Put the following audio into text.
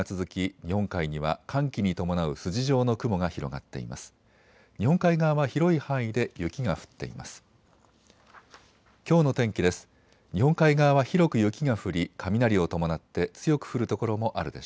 日本海側は広い範囲で雪が降っています。